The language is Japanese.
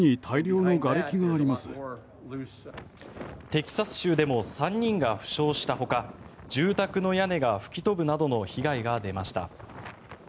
テキサス州でも３人が負傷したほか住宅の屋根が吹き飛ぶなどの被害が出ました。